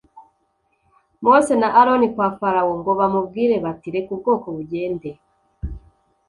mose na aroni kwa farawo ngo bamubwire bati reka ubwoko bugende